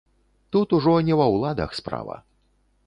Тут ужо не ва ўладах справа.